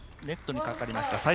ネットにかかりました。